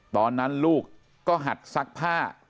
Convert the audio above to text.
ตอนนั้นลูกก็หัดซักผ้า